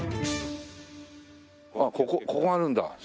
あっここここあるんだ。